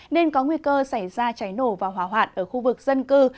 nên có nguy cơ xảy ra cháy nổ và hỏa hoạn ở khu vực dân cư